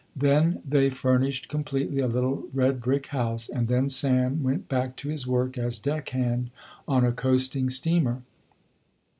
Then they furnished completely, a little red brick house and then Sam went back to his work as deck hand on a coasting steamer.